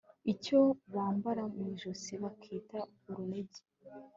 icyo bambara mu ijosi bakita urunigi